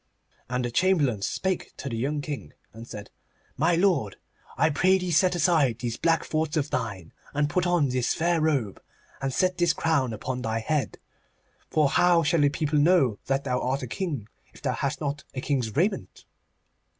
And the Chamberlain spake to the young King, and said, 'My lord, I pray thee set aside these black thoughts of thine, and put on this fair robe, and set this crown upon thy head. For how shall the people know that thou art a king, if thou hast not a king's raiment?